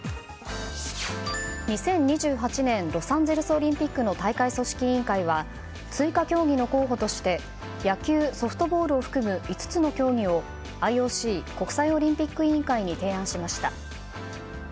２０２８年ロサンゼルスオリンピックの大会組織委員会は追加競技の候補として野球・ソフトボールを含む５つの競技をＩＯＣ・国際オリンピック委員会に提案しました。